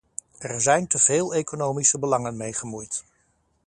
Er zijn teveel economische belangen mee gemoeid.